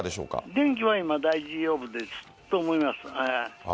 電気は今、大丈夫です、と思います。